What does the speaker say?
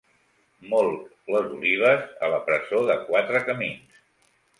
Molc les olives a la presó de Quatre Camins.